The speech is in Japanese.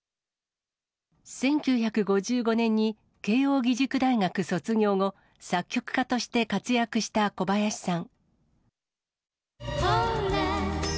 １９５５年に慶応義塾大学卒業後、作曲家として活躍した小林さん。